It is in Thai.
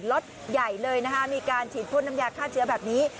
รถใหญ่เลยนะคะมีการฉีดพ่นน้ำยาฆ่าเชื้อแบบนี้